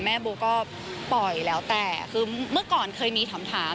บูก็ปล่อยแล้วแต่คือเมื่อก่อนเคยมีถาม